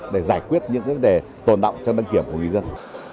để giải quyết những vấn đề tồn động trong đăng kiểm của người dân